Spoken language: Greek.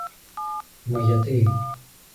Μα γιατί;